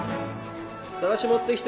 さらし持ってきて